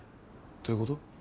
どういうこと？